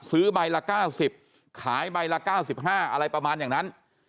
ซื้อใบละ๙๐ขายใบละ๙๕อะไรประมาณอย่างนั้น